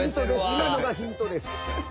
いまのがヒントです。